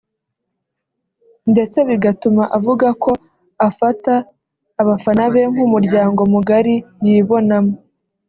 ndetse bigatuma avuga ko afata aba bafana be nk’umuryango mugari yibonamo